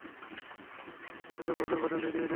তারা কড়া প্রহরা দেখে বহুদূর পর্যন্ত এগিয়ে যায়।